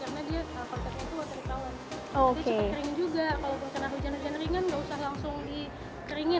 jadi cepet keringin juga kalau pencana hujan hujan ringan nggak usah langsung dikeringin